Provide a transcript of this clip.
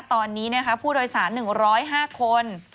ตอนนี้ผู้โดยสาร๑๐๕คน